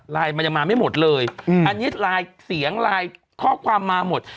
มันยังมาไม่หมดเลยอันนี้ไลน์เสียงไลน์ข้อความมาหมด